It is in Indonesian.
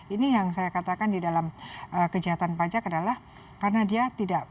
ini yang saya katakan di dalam kejahatan pajak adalah karena dia tidak